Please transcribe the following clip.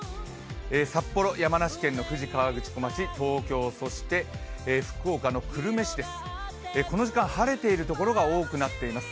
札幌、山梨県の富士河口湖町、東京、そして福岡の久留米市です、この時間晴れているところが多くなっています。